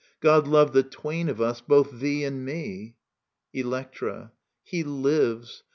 God love the twain of us, both thee and me. Electra. He lives